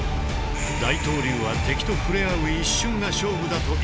大東流は敵と触れ合う一瞬が勝負だと石橋は言う。